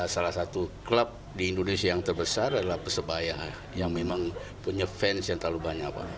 salah satu klub di indonesia yang terbesar adalah persebaya yang memang punya fans yang terlalu banyak